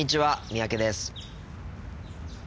三宅です。